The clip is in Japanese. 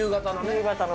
夕方の。